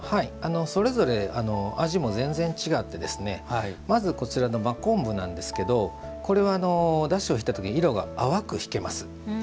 それぞれ味も全然違ってまずこちらの真昆布なんですけどこれは、おだしを引いた時色が淡く引けます。